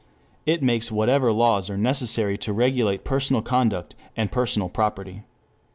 It makes whatever laws are necessary to regulate personal conduct and personal property.